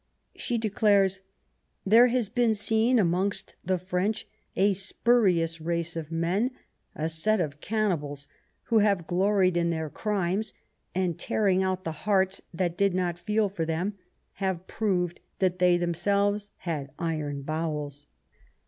She declares, '^ There has been seen amongst the French a spurious race of men, a set of cannibals, who have gloried in their crimes; and, tearing out the hearts that did not feel for them, have proved that they themselves had iron bowels."